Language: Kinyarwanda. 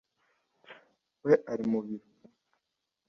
we ari mu biro.